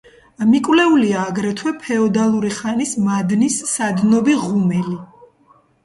მიკვლეულია აგრეთვე ფეოდალური ხანის მადნის სადნობი ღუმელი.